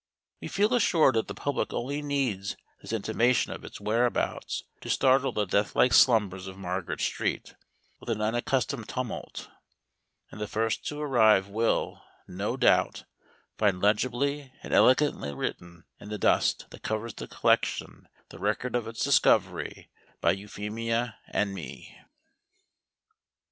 We feel assured that the public only needs this intimation of its whereabouts to startle the death like slumbers of Margaret Street with an unaccustomed tumult. And the first to arrive will, no doubt, find legibly and elegantly written in the dust that covers the collection the record of its discovery by Euphemia and me.